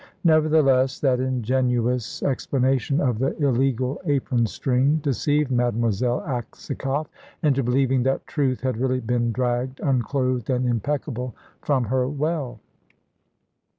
Nevertheless, that ingenuous explanation of the illegal apron string deceived Mademoiselle Aksakoff into believing that Truth had really been dragged, unclothed and impeccable, from her well.